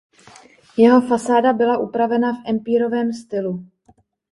Jeho fasáda byla upravena v empírovém stylu.